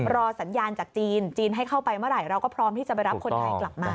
รอสัญญาณจากจีนจีนให้เข้าไปเมื่อไหร่เราก็พร้อมที่จะไปรับคนไทยกลับมา